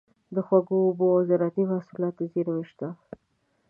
د خوږو اوبو او زارعتي محصولاتو زیرمې شته.